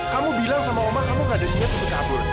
kamu bilang sama omah kamu gak ada niat untuk kabur